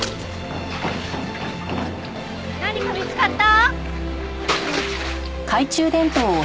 何か見つかった？